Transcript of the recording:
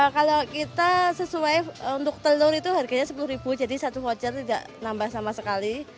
kalau kita sesuai untuk telur itu harganya sepuluh ribu jadi satu voucher tidak nambah sama sekali